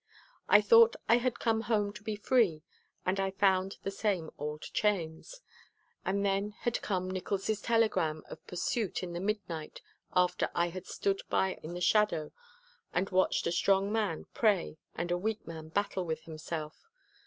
I thought I had come home to be free and I found the same old chains. And then had come Nickols' telegram of pursuit in the midnight after I had stood by in the shadow and watched a strong man pray and a weak man battle with himself.